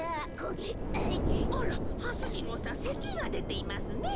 あらはす次郎さんせきがでていますね。